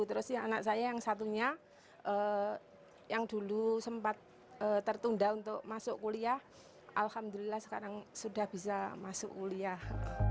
terus anak saya yang satunya yang dulu sempat tertunda untuk masuk kuliah alhamdulillah sekarang sudah bisa masuk kuliah